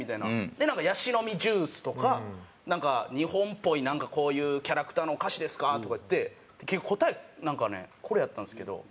でなんかヤシの実ジュースとか日本っぽいなんかこういうキャラクターのお菓子ですか？とか言って結局答えなんかねこれやったんですけど。